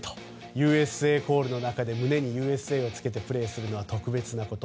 ＵＳＡコールの中で胸にＵＳＡを着けてプレーするのは特別なこと。